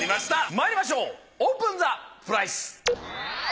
まいりましょうオープンザプライス。